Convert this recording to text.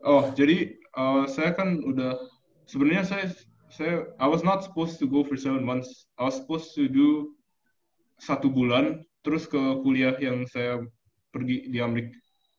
oh jadi saya kan udah sebenernya saya i was not supposed to go for seven months i was supposed to do satu bulan terus ke kuliah yang saya pergi di amerika